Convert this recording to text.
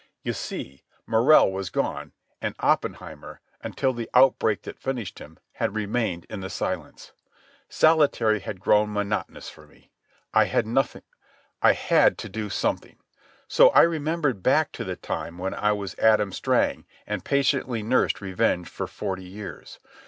You see, Morrell was gone, and Oppenheimer, until the outbreak that finished him, had remained in the silence. Solitary had grown monotonous for me. I had to do something. So I remembered back to the time when I was Adam Strang and patiently nursed revenge for forty years.